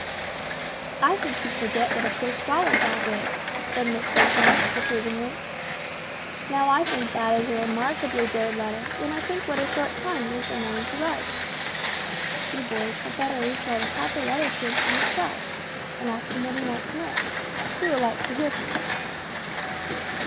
"I think you forget what a poor scholar Rob is," said Miss Bertram, reprovingly. "Now I think that is a remarkably good letter when I think what a short time he has been learning to write. You boys had better each write a proper letter to him yourselves, and ask him what you want to know. He will like to hear from you."